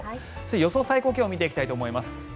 予想最高気温を見ていきたいと思います。